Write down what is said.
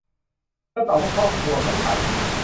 เธอตอบว่าพ่อครัวไม่ไป